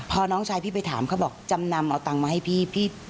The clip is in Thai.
พอน้องชายพี่ไปถามเขาบอกจำนำเอาตังค์มาให้พี่